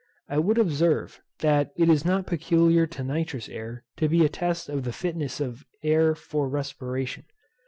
I would observe, that it is not peculiar to nitrous air to be a test of the fitness of air for respiration.